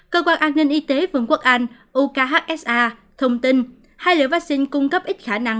cơ quan an ninh y tế vương quốc anh ukhsa thông tin hai liều vaccine cung cấp ít khả năng